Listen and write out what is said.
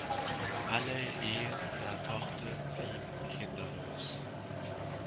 Alle Ehen der Tochter blieben kinderlos.